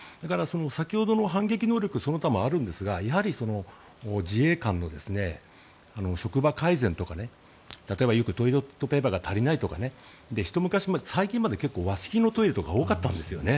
先ほどの反撃能力その他もあるんですが自衛官の職場改善とか例えば、よくトイレットペーパーが足りないとかひと昔前、最近まで和式のトイレが多かったんですね。